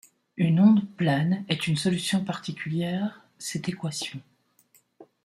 Une onde plane est une solution particulière cette équation.